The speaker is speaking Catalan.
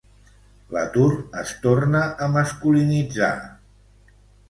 L'atur es torna a masculinitzar.